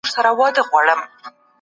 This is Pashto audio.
د تاریخ پوهاوی تجربه کار دی.